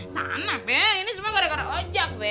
sama be ini semua gara gara ojak be